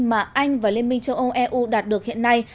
mà anh và liên minh châu âu eu đạt được hiện nay